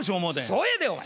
そうやでお前。